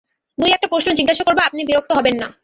দুই-একটা প্রশ্ন জিজ্ঞাসা করব, আপনি বিরক্ত হবেন না।